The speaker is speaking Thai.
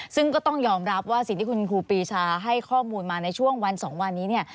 ซึ่งก็ต้องยอมรับว่าสิ่งที่คุณครูปีชาให้ข้อมูลมาในช่วงวัน๒วันนี้เนี่ย